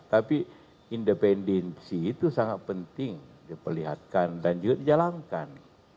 tapi independensi itu sangat penting diperlihatkan dan juga dijalankan